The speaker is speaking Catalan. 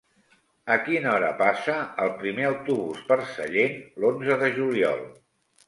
A quina hora passa el primer autobús per Sallent l'onze de juliol?